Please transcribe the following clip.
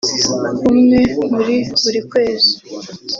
umwe muri buri kwezi